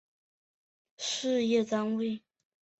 中国电影博物馆是北京市人民政府直属事业单位。